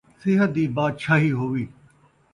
صحت دی باچھائی ہووی